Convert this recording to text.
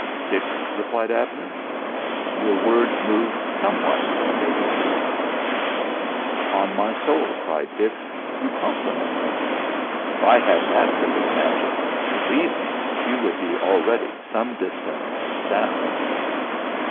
"Dix," replied Abner, "your words move somewhat near the truth." "Upon my soul," cried Dix, "you compliment me. If I had that trick of magic, believe me, you would be already some distance down."